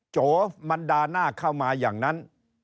โจมันด่าหน้าเข้ามาอย่างนั้น